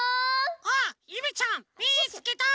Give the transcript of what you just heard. あゆめちゃんみつけた！